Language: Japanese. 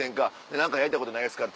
何かやりたいことないですか？」。